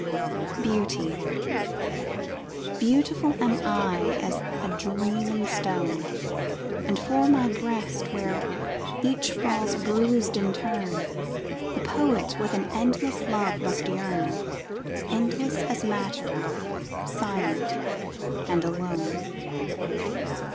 Translation of Miss Katharine Hillard. BEAUTY Beautiful am I as a dream in stone; And for my breast, where each falls bruised in turn, The poet with an endless love must yearn Endless as Matter, silent and alone.